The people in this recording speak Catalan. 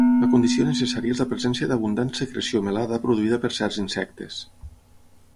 La condició necessària és la presència d'abundant secreció melada produïda per certs insectes.